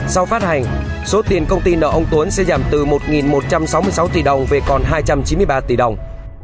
sau phát hành số tiền công ty nợ ông tuấn sẽ giảm từ một một trăm sáu mươi sáu tỷ đồng về còn hai trăm chín mươi ba tỷ đồng